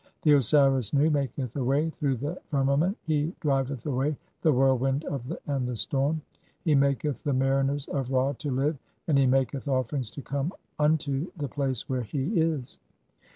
The "Osiris Nu (18) maketh a way through the firmament, he driv "eth away the whirlwind and the storm, he maketh the mari "ners of Ra to live, and he maketh offerings to come unto the "place where he(?) is.